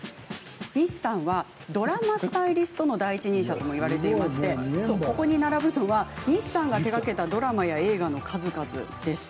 西さんは、ドラマスタイリストの第一人者ともいわれていましてここに並ぶのは西さんが手がけたドラマや映画の数々です。